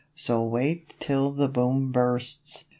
So wait till the Boom bursts!